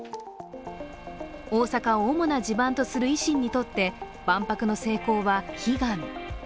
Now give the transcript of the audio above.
大阪を主な地盤とする維新にとって万博の成功は悲願。